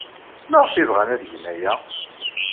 Maɣef ay bɣan ad gen aya?